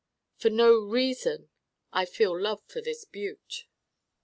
For no reason I feel love for this Butte.